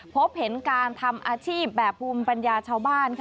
พบเห็นการทำอาชีพแบบภูมิปัญญาชาวบ้าน